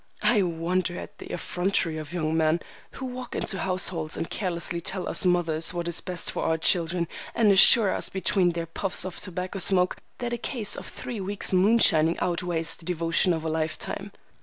I wonder at the effrontery of young men, who walk into our households and carelessly tell us mothers what is best for our children, and assure us, between their puffs of tobacco smoke, that a case of three weeks' moonshining outweighs the devotion of a lifetime."